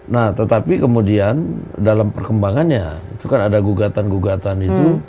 nah tetapi kemudian dalam perkembangannya itu kan ada gugatan gugatan itu